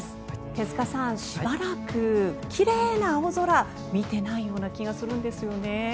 手塚さん、しばらく奇麗な青空見てないような気がするんですよね。